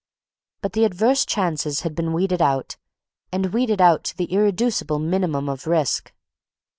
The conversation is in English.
But the adverse chances had been weeded out and weeded out to the irreducible minimum of risk.